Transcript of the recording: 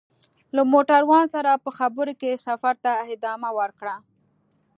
له موټروان سره په خبرو کې سفر ته ادامه ورکړه.